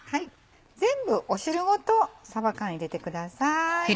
全部汁ごとさば缶入れてください。